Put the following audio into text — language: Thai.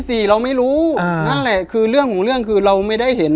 สี่เราไม่รู้นั่นแหละคือเรื่องของเรื่องคือเราไม่ได้เห็น